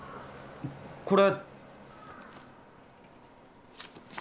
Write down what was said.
これ。